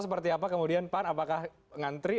seperti apa kemudian pan apakah ngantri